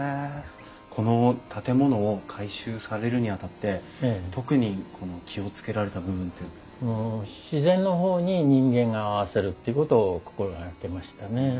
この建物を改修されるにあたって特に気を付けられた部分って。っていうことを心掛けましたね。